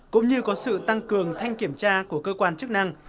cũng như có sự tăng cường thanh kiểm tra của cơ quan chức năng